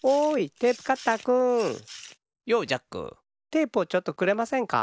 テープをちょっとくれませんか？